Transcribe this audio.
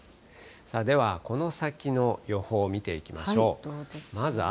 ではこの先の予報見ていきましょう。